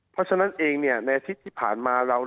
เพราะฉะนั้นเองที่ผ่านมา